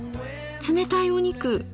冷たいお肉。